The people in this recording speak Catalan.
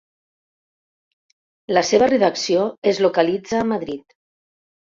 La seva redacció es localitza a Madrid.